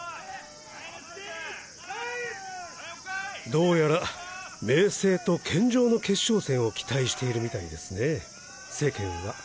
どうやら明青と健丈の決勝戦を期待しているみたいですね世間は。